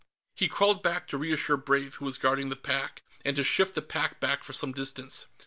He crawled back to reassure Brave, who was guarding the pack, and to shift the pack back for some distance.